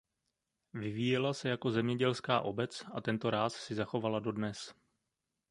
Vyvíjela se jako zemědělská obec a tento ráz si zachovala dodnes.